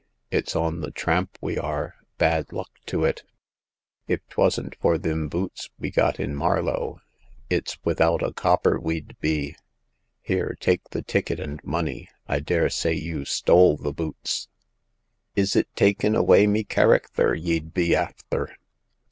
It's on the tramp we are— bad luck to it ! If 'twasn't for thim boots we got in Marlow, it's without a copper we'd be." Here ! take the ticket and money. I daresay you stole the boots." Is it takin' away me characther y'd be afther